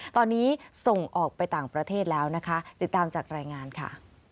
ตอนนี้ส่งออกไปต่างประเทศแล้วนะคะติดตามจากรายงานค่ะ